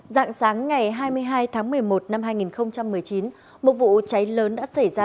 dạng sáng ngày hai mươi hai tháng một mươi một năm hai nghìn một mươi chín một vụ cháy lớn đã xảy ra